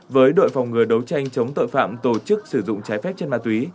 với đội phòng ngừa đấu tranh chống tội phạm tổ chức sử dụng trái phép trên ma túy